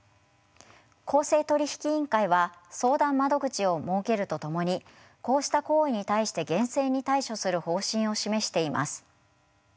公正取引委員会は相談窓口を設けるとともにこうした行為に対して厳正に対処する方針を示しています。